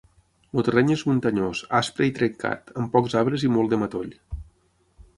El terreny és muntanyós, aspre i trencat, amb pocs arbres i molt de matoll.